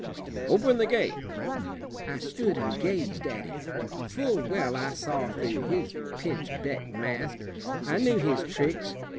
"Open the gate." I stood and gazed at him. Full well I saw through his pinch beck mask. I knew his tricks.